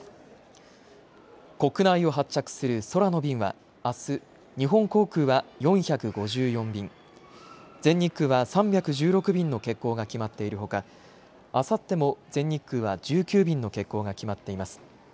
国内を発着する空の便はあす日本航空は４５４便、全日空は３１６便の欠航が決まっているほか、あさっても全日空は１９便の欠航が決まっています。